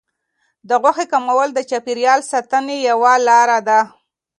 د غوښې کمول د چاپیریال ساتنې یوه لار ده.